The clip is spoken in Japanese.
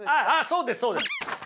そうですそうです。